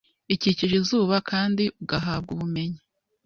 ikikije izuba - kandi ugahabwa ubumenyi